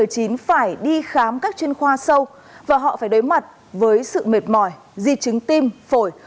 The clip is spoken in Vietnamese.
phải đi khám các chuyên khoa sâu và họ phải đối mặt với sự mệt mỏi di chứng tim phổi